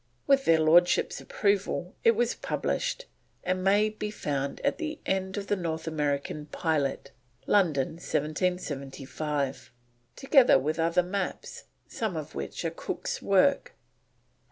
With their Lordships' approval it was published, and may be found at the end of The North American Pilot, London, 1775, together with other maps, some of which are Cook's work.